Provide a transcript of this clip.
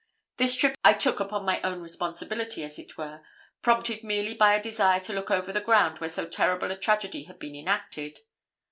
This trip I took upon my own responsibility, as it were, prompted merely by a desire to look over the ground where so terrible a tragedy had been enacted.